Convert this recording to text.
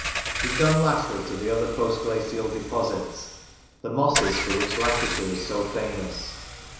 We come, lastly, to the other post glacial deposits, 35 Lancashire the mosses, for which Lancashire is so famous.